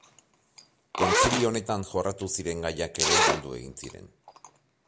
Kontzilio honetan jorratu ziren gaiak ere galdu egin ziren.